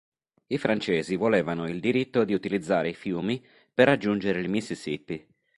I francesi volevano il diritto di utilizzare i fiumi per raggiungere il Mississippi.